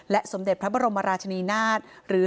สมเด็จพระบรมราชนีนาฏหรือ